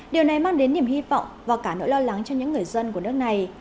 điều này mang đến niềm hy vọng và cả nỗi lo lắng cho những người dân của nước này